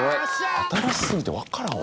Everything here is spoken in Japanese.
新し過ぎて分からんわ。